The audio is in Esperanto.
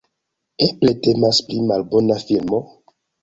Eble temas pri malbona filmo?